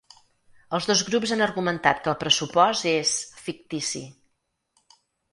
Els dos grups han argumentat que el pressupost és ‘fictici’.